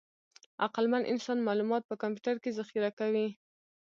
عقلمن انسان معلومات په کمپیوټر کې ذخیره کوي.